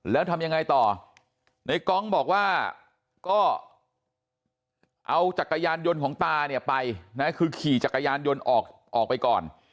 แล้วทำยังไงต่อในกองบอกว่าก็เอาจักรยานยนต์ของตาเนี่ยไปนะคือขี่จักรยานยนต์ออกไปก่อน